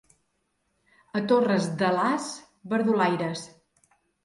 A Torres d'Alàs, verdulaires.